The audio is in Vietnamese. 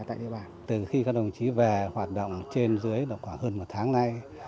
từ khi các đồng chí về hoạt động trên dưới khoảng hơn một tháng nay